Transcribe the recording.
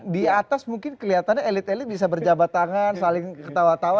di atas mungkin kelihatannya elit elit bisa berjabat tangan saling ketawa tawa